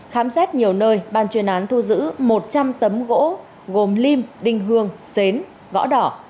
khám xét nhiều nơi ban chuyên án thu giữ một trăm linh tấm gỗ gồm lim đinh hương xến gõ đỏ